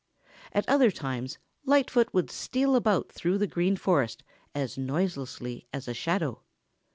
At other times Lightfoot would steal about through the Green Forest as noiselessly as a shadow.